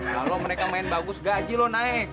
kalau mereka main bagus gaji loh naik